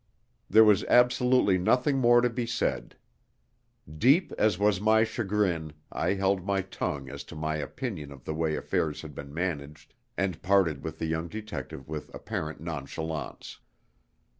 There was absolutely nothing more to be said. Deep as was my chagrin, I held my tongue as to my opinion of the way affairs had been managed, and parted with the young detective with apparent nonchalance.